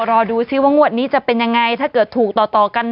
รอดูซิว่างวดนี้จะเป็นยังไงถ้าเกิดถูกต่อกัน